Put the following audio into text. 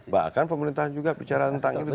bahkan pemerintahan juga bicara tentang itu